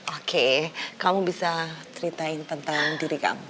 oke kamu bisa ceritain tentang diri kamu